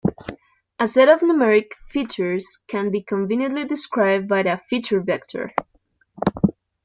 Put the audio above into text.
A set of numeric features can be conveniently described by a feature vector.